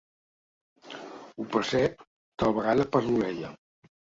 Ho percep, tal vegada per l'orella.